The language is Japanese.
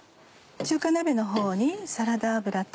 中華鍋のほうにサラダ油と。